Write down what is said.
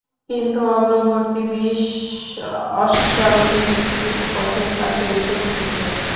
কিন্তু অগ্রবর্তী বিশ অশ্বারোহী গিরিপথের কাছে এসে থেমে যায়।